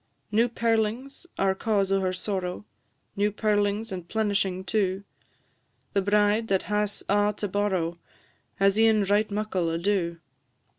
New pearlings are cause o' her sorrow New pearlings and plenishing too; The bride that has a' to borrow Has e'en right muckle ado.